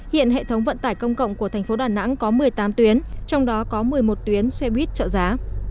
hiện hệ thống vận tải công cộng của tp đà nẵng có một mươi tám tuyến trong đó có một mươi một tuyến xe buýt trợ giá